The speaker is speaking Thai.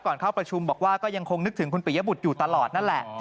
เข้าประชุมบอกว่าก็ยังคงนึกถึงคุณปิยบุตรอยู่ตลอดนั่นแหละ